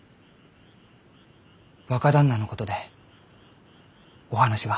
若旦那のことでお話が。